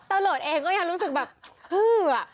ตำรวจเองก็ยังรู้สึกแบบฮือ